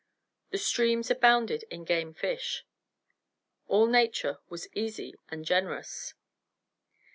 The streams abounded in game fish. All Nature was easy and generous.